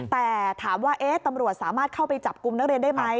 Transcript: แต่ถามว่าตำรวจสามารถเข้าไปจับกลุ่มนักเรียนได้ไหม